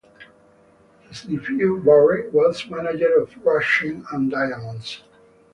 His nephew, Barry, was manager of Rushden and Diamonds.